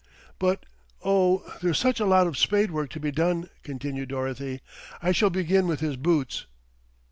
"But oh! there's such a lot of spade work to be done," continued Dorothy. "I shall begin with his boots."